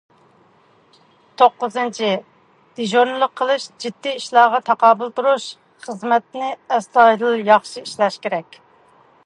توققۇزىنچى، دىجورنىلىق قىلىش، جىددىي ئىشلارغا تاقابىل تۇرۇش خىزمىتى ئەستايىدىل ياخشى ئىشلەش كېرەك.